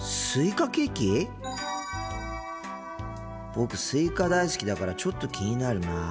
僕スイカ大好きだからちょっと気になるな。